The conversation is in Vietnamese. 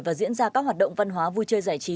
và diễn ra các hoạt động văn hóa vui chơi giải trí